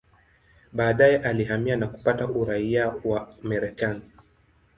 Baadaye alihamia na kupata uraia wa Marekani.